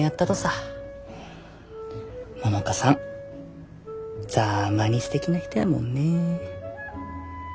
百花さんざぁまにすてきな人やもんね。